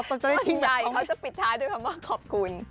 ส่วนใหญ่เขาจะปิดท้ายด้วยคำว่าขอบคุณ